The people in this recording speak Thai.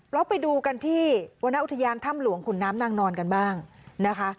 เราไปดูกันที่วรรณอุทยานถ้ำหลวงขุนน้ำนางนอนกันบ้างนะคะ